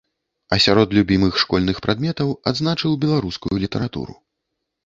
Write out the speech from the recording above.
А сярод любімых школьных прадметаў адзначыў беларускую літаратуру.